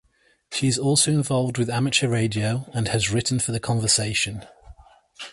She is also involved with amateur radio and has written for The Conversation.